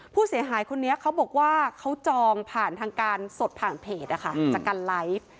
ผู้เสียหายคนนี้เขาบอกว่าเขาจองผ่านทางการสดผ่านเพจจากการไลฟ์